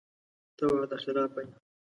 ته وعده خلافه یې !